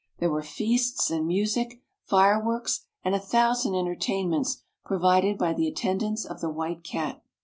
There were feasts and music, fire works, and a thousand entertaimnents pro vided by the attendants of the White Cat.